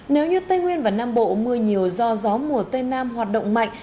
nếu như tây nguyên và nam bộ mưa nhiều do gió mùa tây nam hoạt động mạnh